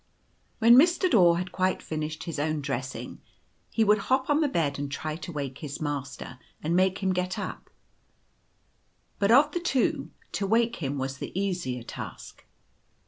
When Mr. Daw had quite finished his own dressing, he would hop on the bed and try and wake his master and make him get up ; but of the two to wake him was ^ Going to school. 103 the easier task.